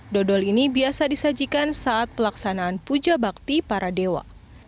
dodol ini biasa disajikan saat pelaksanaan puja bakti para dewa